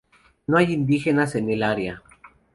No hay indígenas en el área.